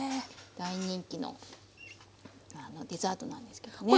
大人気のデザートなんですけどね。